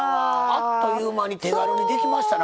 あっという間に手軽にできましたね。